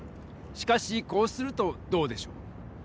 しかしこうするとどうでしょう？